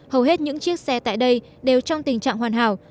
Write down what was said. hầu hết những chiếc xe tại đây đều trong tình trạng hoàn hảo